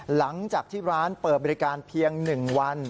หลังจากที่ร้านเปิดบริการเพียง๑วัน